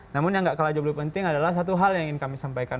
namun yang gak kalah jauh lebih penting adalah satu hal yang ingin kami sampaikan